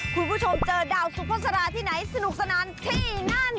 คุณผู้ชมเจอดาวสุภาษาที่ไหนสนุกสนานที่นั่น